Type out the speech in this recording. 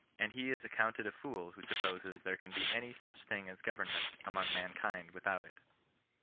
And he is ac counted a fool who supposes there can be any such thing as government among mankind without it.